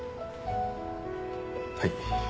はい。